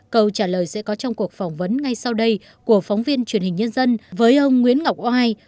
câu trả lời sẽ có trong cuộc phỏng vấn ngay sau đây của phóng viên truyền hình nhân dân với ông nguyễn ngọc oai